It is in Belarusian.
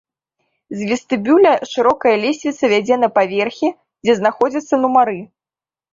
З вестыбюля шырокая лесвіца вядзе на паверхі, дзе знаходзяцца нумары.